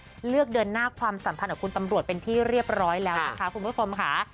ก็เลือกเดินหน้าความสัมพันธ์กับคุณตำรวจเป็นที่เรียบร้อยแล้วนะคะคุณผู้ชมค่ะ